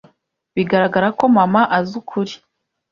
Bigaragara ko mama azi ukuri.